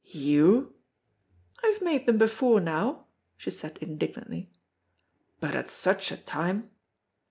"You!" "I have made them before now," she said indignantly. "But at such a time!"